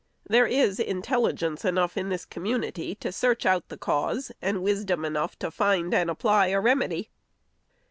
There is intelligence enough in this community to search out the cause, and wisdom enough to find and apply a remedy.